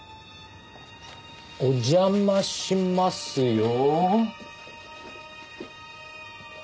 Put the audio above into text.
お邪魔しますよ。